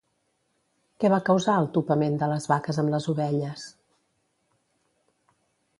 Què va causar el topament de les vaques amb les ovelles?